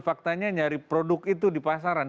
faktanya nyari produk itu di pasaran